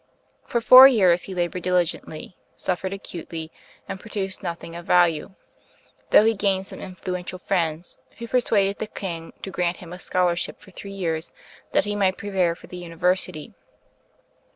For four years he labored diligently, suffered acutely, and produced nothing of value; though he gained some influential friends, who persuaded the king to grant him a scholarship for three years, that he might prepare for the university.